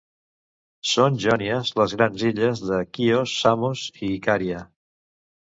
Són jònies les grans illes de Quios, Samos i Icària.